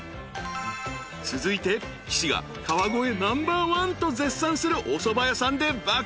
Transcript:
［続いて岸が川越ナンバーワンと絶賛するおそば屋さんで爆食い］